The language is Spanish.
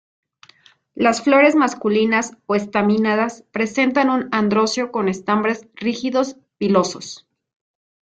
Las flores masculinas o estaminadas presentan un androceo con estambres rígidos, pilosos.